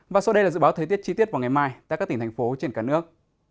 và sau đây là dự báo thời tiết chi tiết vào ngày mai tại các tỉnh thành phố trên cả nước